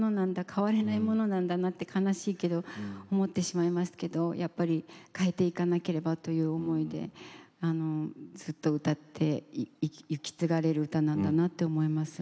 変われないものなんだな悲しいけれど思ってしまいますけど変えていかなければいけないという思いでずっと歌って引き継がれる歌なんだなと思います。